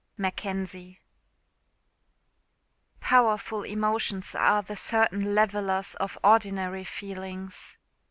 MACKENZIE. POWERFUL emotions are the certain levellers of ordinary feelings.